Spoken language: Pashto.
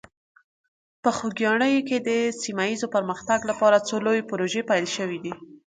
په خوږیاڼي کې د سیمه ایز پرمختګ لپاره څو لویې پروژې پیل شوي دي.